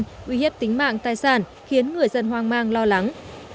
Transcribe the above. nguy hiểm tính mạng tài sản khiến người dân hoang mang lo lắng